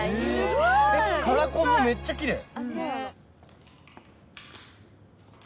カラコンもめっちゃキレイ。